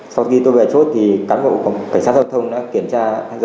sau khi tôi về chốt thì cán bộ cảnh sát giao thông đã kiểm tra